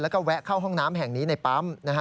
แล้วก็แวะเข้าห้องน้ำแห่งนี้ในปั๊ม